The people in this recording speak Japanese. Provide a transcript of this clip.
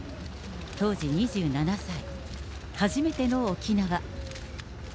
当時２７歳、初めての沖縄。